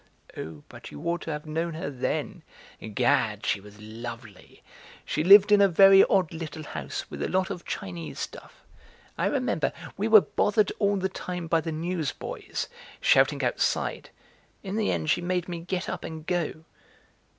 "Oh, but you ought to have known her then; Gad, she was lovely! She lived in a very odd little house with a lot of Chinese stuff. I remember, we were bothered all the time by the newsboys, shouting outside; in the end she made me get up and go."